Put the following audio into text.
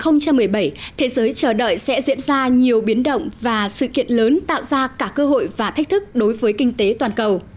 năm hai nghìn một mươi bảy thế giới chờ đợi sẽ diễn ra nhiều biến động và sự kiện lớn tạo ra cả cơ hội và thách thức đối với kinh tế toàn cầu